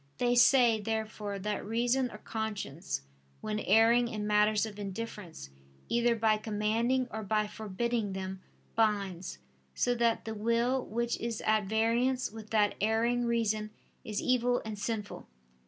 They say, therefore, that reason or conscience when erring in matters of indifference, either by commanding or by forbidding them, binds: so that the will which is at variance with that erring reason is evil and sinful.